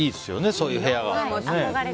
そういう部屋があって。